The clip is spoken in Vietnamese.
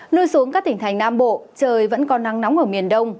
lưu xuống các tỉnh thành nam bộ trời vẫn còn nắng nóng ở miền đông